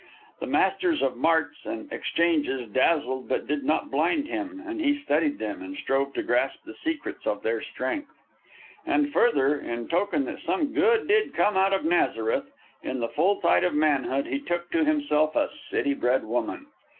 The masters of marts and exchanges dazzled but did not blind him, and he studied them, and strove to grasp the secrets of their strength. And further, in token that some good did come out of Nazareth, in the full tide of manhood he took to himself a city bred woman.